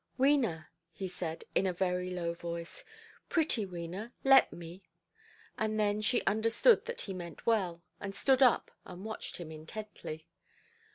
"Wena", he said, in a very low voice—"pretty Wena, let me". And then she understood that he meant well, and stood up, and watched him intently.